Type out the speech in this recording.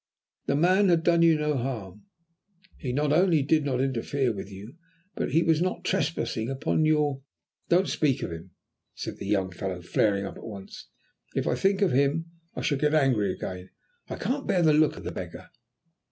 The man had done you no harm; he not only did not interfere with you, but he was not trespassing upon your " "Don't speak of him," said the young fellow, flaring up at once. "If I think of him I shall get angry again. I can't bear the look of the beggar."